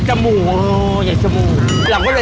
แต่พอมัน